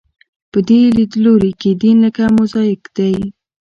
په دې لیدلوري کې دین لکه موزاییک دی.